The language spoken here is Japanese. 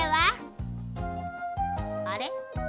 あれ？